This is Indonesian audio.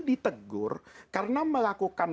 ditegur karena melakukan